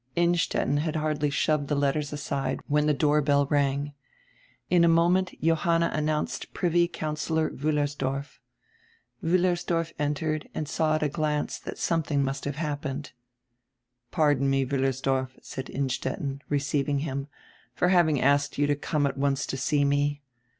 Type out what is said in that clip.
Innstetten had hardly shoved the letters aside when die doorbell rang. In a moment Johanna announced Privy Councillor Wiillersdorf . Wiillersdorf entered and saw at a glance tiiat something must have happened. "Pardon me, Wiillersdorf," said Innstetten, receiving him, "for having asked you to come at once to see me.